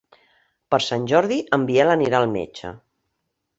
Per Sant Jordi en Biel anirà al metge.